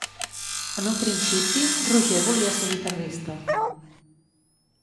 En un principi, Roger volia ser guitarrista.